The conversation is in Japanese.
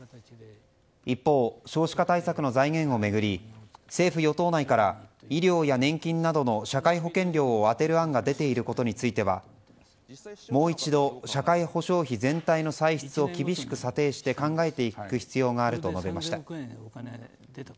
一方、少子化対策の財源を巡り政府・与党内から医療や年金などの社会保険料を充てる案が出ていることについてはもう一度社会保障費全体の歳出を厳しく査定して考えていく必要があると述べました。